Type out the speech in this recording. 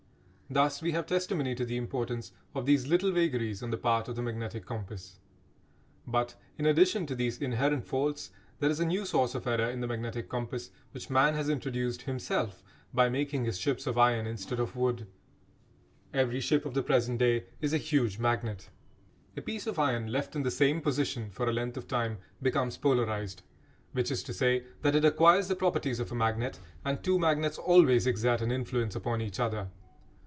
Thus we have testimony to the importance of these little vagaries on the part of the magnetic compass. But in addition to these inherent faults there is a new source of error in the magnetic compass which man has introduced himself by making his ships of iron instead of wood. Every ship of the present day is a huge magnet. A piece of iron left in the same position for a length of time becomes polarised, which is to say that it acquires the properties of a magnet; and two magnets always exert an influence upon each other.